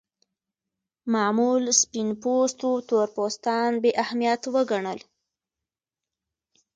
معمول سپین پوستو تور پوستان بې اهمیت وګڼل.